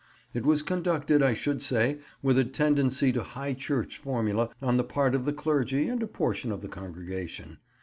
It was conducted, I should say, with a tendency to High Church formula on the part of the clergy and a portion of the congregation.